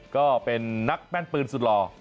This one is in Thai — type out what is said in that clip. ก็เป็นนักแม่นปืนสุดหล่อ